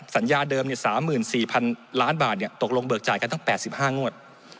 สัญญาเดิม๓๔๐๐๐ล้านบาทตกลงเบิกจ่ายกันทั้ง๘๕งวด